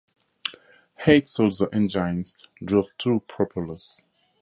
Eight Sulzer engines drove two propellers.